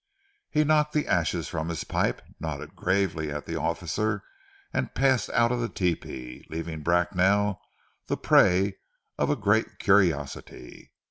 He knocked the ashes from his pipe, nodded gravely at the officer and passed out of the tepee, leaving Bracknell the prey of a great curiosity.